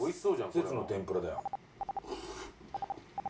季節の天ぷらだよ。